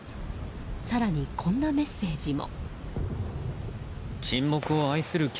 更に、こんなメッセージも。